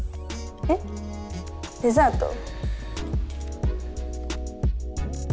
えっデザート？